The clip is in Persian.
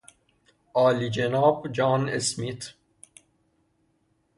عالیجناب جان اسمیت